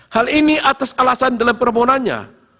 hal ini atas alasan dalam permohonannya